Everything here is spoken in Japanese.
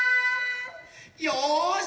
よし！